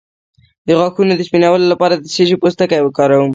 د غاښونو د سپینولو لپاره د څه شي پوستکی وکاروم؟